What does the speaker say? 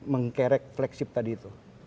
mengkerek flagship tadi itu